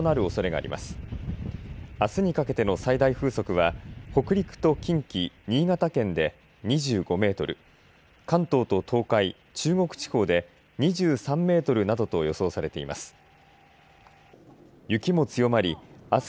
あすにかけての最大風速は、北陸と近畿、新潟県で２５メートル、関東と東海、中国地方で２３メートルなどと予想されています。